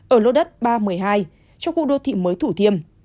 ở lô đất ba trăm một mươi hai trong khu đô thị mới thủ thiêm